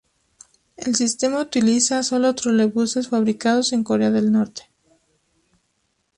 El sistema utiliza sólo trolebuses fabricados en Corea del Norte.